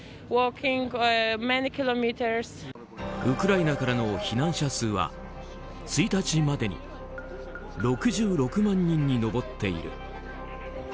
ウクライナからの避難者数は１日までに６６万人に上っている。